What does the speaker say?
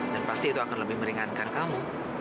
dan pasti itu akan lebih meringankan kamu